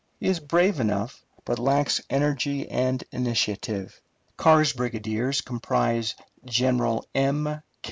He is brave enough, but lacks energy and initiative. Carr's brigadiers comprise General M.